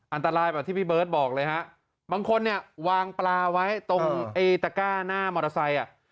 อันตรายแบบที่พี่เบิร์ตบอกเลยฮะบางคนเนี่ยวางปลาไว้ตรงไอ้ตะก้าหน้ามอเตอร์ไซค์อ่ะ